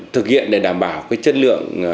thực hiện để đảm bảo cái chất lượng